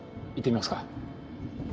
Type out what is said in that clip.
行ってみますか？